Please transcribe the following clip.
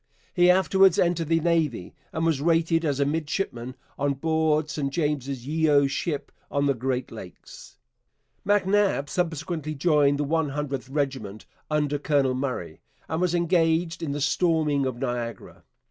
He afterwards entered the Navy and was rated as a midshipman on board Sir James Yeo's ship on the Great Lakes. MacNab subsequently joined the 100th Regiment under Colonel Murray, and was engaged in the storming of Niagara.